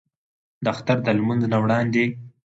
د اختر د لمونځ نه وړاندې